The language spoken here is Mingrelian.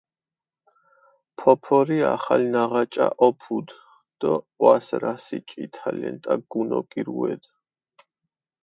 ფოფორი ახალ ნაღაჭა ჸოფუდჷ დო ჸვას რასი ჭითა ლენტა გუნოკირუედჷ.